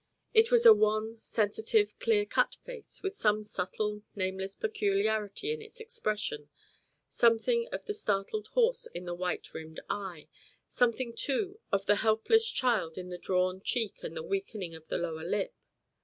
It was a wan, sensitive, clear cut face, with some subtle, nameless peculiarity in its expression, something of the startled horse in the white rimmed eye, something too of the helpless child in the drawn cheek and the weakening of the lower lip.